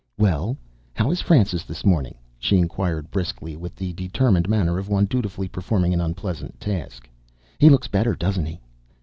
"Well, how is Francis this morning?" she inquired briskly with the determined manner of one dutifully performing an unpleasant task. "He looks better, doesn't he?"